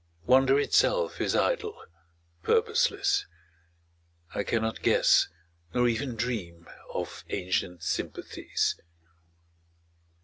Wonder itself is idle, purposeless; I cannot guess Nor even dream of ancient sympathies.